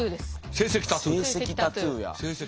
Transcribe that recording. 成績タトゥーや。